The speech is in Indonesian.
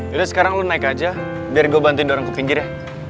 yaudah sekarang lo naik aja biar gue bantuin dorongku pinggir ya